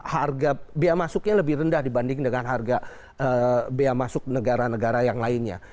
harga biaya masuknya lebih rendah dibanding dengan harga bea masuk negara negara yang lainnya